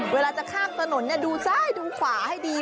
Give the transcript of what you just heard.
เวลาจะข้ามถนนดูซ้ายดูขวาให้ดี